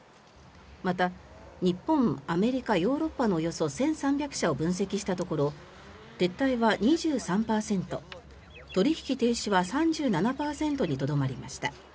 また、日本、アメリカヨーロッパのおよそ１３００社を分析したところ撤退は２３％取引停止は３７％にとどまりました。